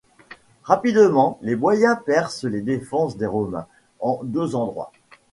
Rapidement les Boïens percent les défenses des Romains en deux endroits.